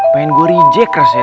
main gue reject rasanya